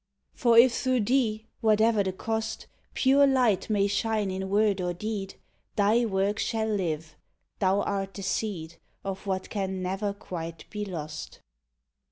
73 THEY For if thro' thee, whate'er the cost, Pure light may shine in word or deed, Thy work shall live ; thou art the seed Of what can never quite be lost.